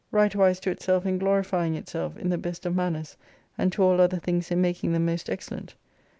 Right wise to itself in glorifying itself in the best of manners, and to all other things in making them most excellent.